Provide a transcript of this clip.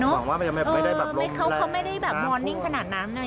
บอกว่ามันยังไม่ได้แบบไม่ได้แบบวอร์นิ่งขนาดนั้นอะไรอย่างเงี้ย